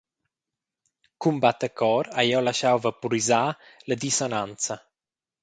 Cun battacor hai jeu laschau vapurisar la disonanza.